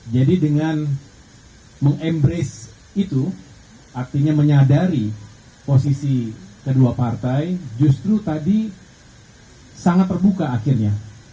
jadi dengan meng embrace itu artinya menyadari posisi kedua partai justru tadi sangat terbuka akhirnya